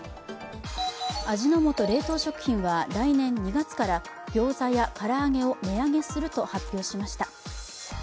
味の素冷凍食品は来年２月からギョーザやから揚げを値上げすると発表しました。